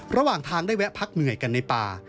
ระหว่างทางได้แวะพักเหนื่อยกันในป่า